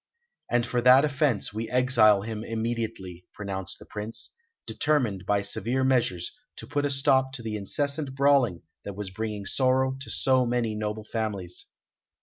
"And for that offence we exile him immediately," pronounced the Prince, determined by severe measures to put a stop to the incessant brawling that was bringing sorrow to so many noble families.